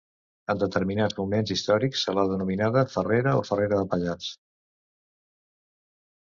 En determinats moments històrics se l'ha denominada Ferrera o Farrera de Pallars.